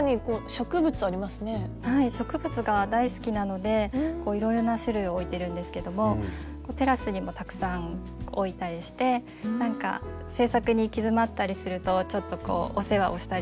はい植物が大好きなのでいろいろな種類を置いてるんですけどもテラスにもたくさん置いたりして製作に行き詰まったりするとちょっとお世話をしたりとか眺めたりとか。